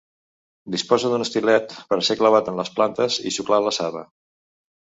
Disposa d'un estilet per a ser clavat en les plantes i xuclar la saba.